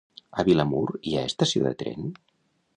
A Vilamalur hi ha estació de tren?